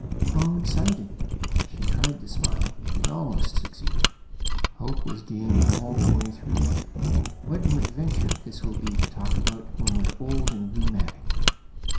"All excited!" She tried to smile, and almost succeeded. Hope was game all the way through. "What an adventure this will be to talk about when we're old and rheumatic!"